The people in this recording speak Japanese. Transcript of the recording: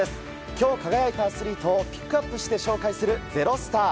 今日、輝いたアスリートをピックアップして紹介する「＃ｚｅｒｏｓｔａｒ」。